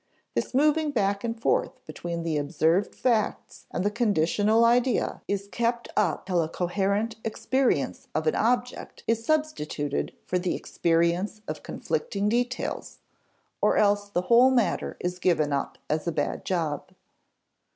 This moving back and forth between the observed facts and the conditional idea is kept up till a coherent experience of an object is substituted for the experience of conflicting details or else the whole matter is given up as a bad job.